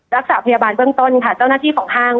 รักษาพยาบาลเบื้องต้นค่ะเจ้าหน้าที่ของห้าง